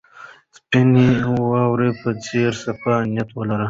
د سپینې واورې په څېر صفا نیت ولرئ.